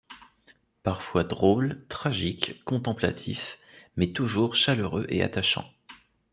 Parfois drôles, tragiques, contemplatifs, mais toujours chaleureux et attachants.